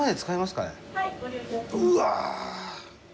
うわ！